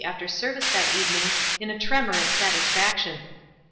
245 after service that evening in a tremor of satis faction.